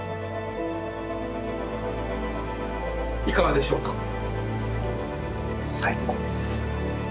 いかがでしょうか？